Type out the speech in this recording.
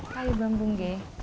kayu bambu nge